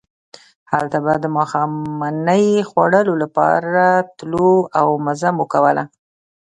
هلته به د ماښامنۍ خوړلو لپاره تلو او مزه مو کوله.